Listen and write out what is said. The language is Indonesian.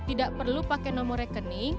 tidak perlu pakai nomor rekening